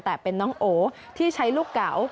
แต่เป็นน้องโอที่ใช้ลูกเก๋า